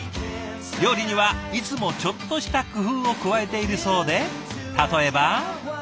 料理にはいつもちょっとした工夫を加えているそうで例えば。